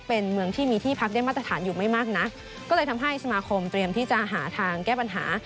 เป็นเมืองที่มีที่พักได้มาตรฐานอยู่ไม่มากนักก็เลยทำให้สมาคมเตรียมที่จะหาทางแก้ปัญหา